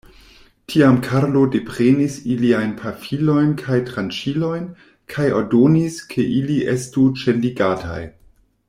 Tiam Karlo deprenis iliajn pafilojn kaj tranĉilojn, kaj ordonis, ke ili estu ĉenligataj.